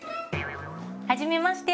はじめまして！